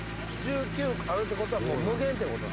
１９あるって事はもう無限って事なんや。